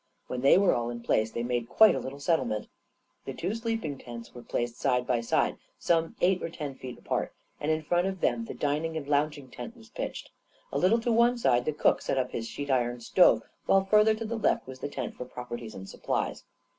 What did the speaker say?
When they were all in place, they made quite a little settlement. The two sleeping tents were placed side by side, some eight or ten feet apart, and in front of them the dining and lounging tent was pitched. A little to one side, the cook set up his sheet iron stove, while farther to the left was the tent for properties and supplies.